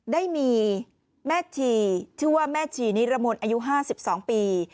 ได้มีแม่ชีชื่อว่าแม่ชีนิรมนต์อายุ๕๒ปี